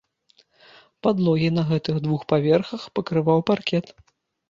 Падлогі на гэтых двух паверхах пакрываў паркет.